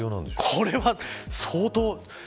これは相当。